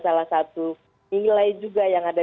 salah satu nilai juga yang ada